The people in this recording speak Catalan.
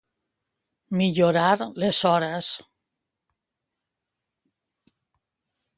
Millorar les hores.